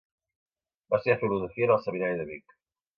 Va estudiar Filosofia en el Seminari de Vic.